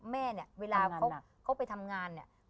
แม่เนี่ยเวลาเขาไปทำงานเนี่ย